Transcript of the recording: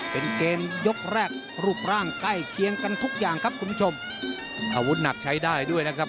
เป็นเกมยกแรกรูปร่างใกล้เคียงกันทุกอย่างครับคุณผู้ชมอาวุธหนักใช้ได้ด้วยนะครับ